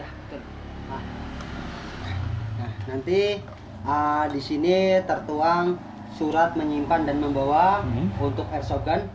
nah nanti disini tertuang surat menyimpan dan membawa untuk airsoft gun